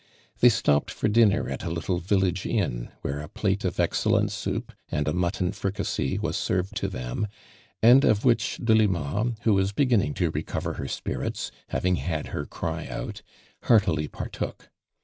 They stopjied for dinner at a little village inn, where a plate of ex cellent soup and a mutton fricassee was served to them, and of which Delima, who was beginning to recover her spirits, having had her ciy out, heartily partook.